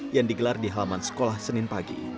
yang digelar di halaman sekolah senin pagi